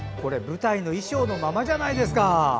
舞台の衣装のままじゃないですか。